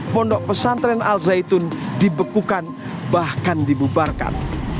pondok pesantren al zaitun dibekukan bahkan dibubarkan